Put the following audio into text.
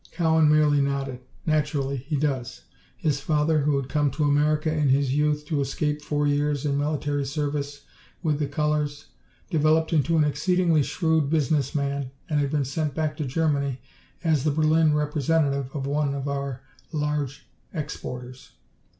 Cowan merely nodded. "Naturally, he does. His father, who had come to America in his youth to escape four years military service with the colors, developed into an exceedingly shrewd business man and had been sent back to Germany as the Berlin representative of one of our large exporters.